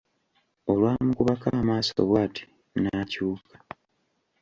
Olwamukubako amaaso bw'ati n'akyuka.